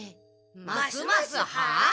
ますますはあ？